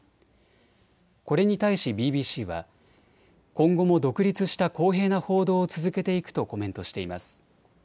これに対しＢＢＣは、今後も独立した公平な報道を続けていくとコメントしています。